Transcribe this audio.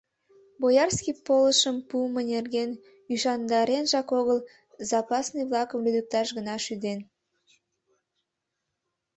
Боярский полышым пуымо нерген ӱшандаренжак огыл, запасный-влакым лӱдыкташ гына шӱден.